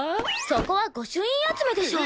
そこは御朱印集めでしょ！